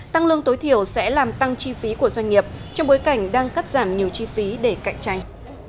tăng lương tối thiểu sẽ làm tăng chi phí của doanh nghiệp trong bối cảnh đang cắt giảm nhiều chi phí để cạnh tranh